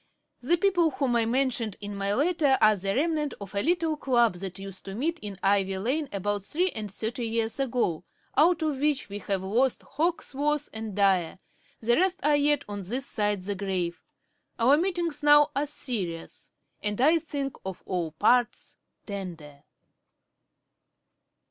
The people whom I mentioned in my letter are the remnant of a little club that used to meet in Ivy lane about three and thirty years ago, out of which we have lost Hawkesworth and Dyer; the rest are yet on this side the grave. Our meetings now are serious, and I think on all parts tender.'